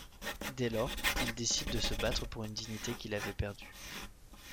Dès lors, il décide de se battre pour une dignité qu'il avait perdue.